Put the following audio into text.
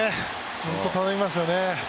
本当に頼みますよね。